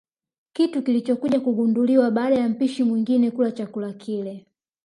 Kitu kilichokuja kugunduliwa baada ya mpishi mwingine kula chakula kile